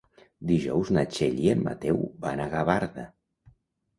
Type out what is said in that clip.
Dijous na Txell i en Mateu van a Gavarda.